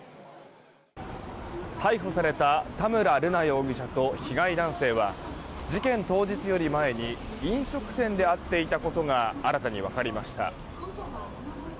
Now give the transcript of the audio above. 逮捕された田村瑠奈容疑者と、被害男性は事件当日より前に飲食店で会っていたことが新たに分かりました。